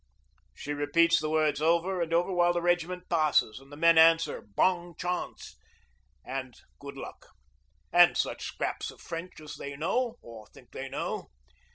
She repeats the words over and over while the regiment passes, and the men answer, 'Bong chawnse' and 'Good luck,' and such scraps of French as they know or think they know.